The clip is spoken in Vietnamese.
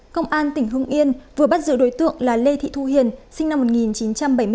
công an tỉnh hưng yên vừa bắt giữ đối tượng là lê thị thu hiền sinh năm một nghìn chín trăm bảy mươi bốn